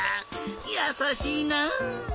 やさしいな！